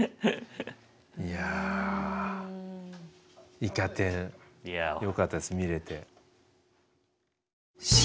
いや「イカ天」よかったです見れて。